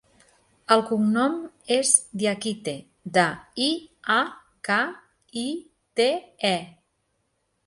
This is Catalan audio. El cognom és Diakite: de, i, a, ca, i, te, e.